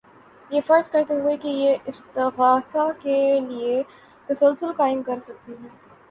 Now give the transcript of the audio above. یہ فرض کرتے ہوئے کہ یہ استغاثہ کے لیے تسلسل قائم کر سکتی ہے